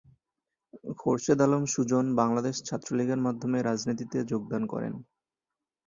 খোরশেদ আলম সুজন বাংলাদেশ ছাত্রলীগের মাধ্যমে রাজনীতিতে যোগদান করেন।